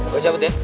gue cabut ya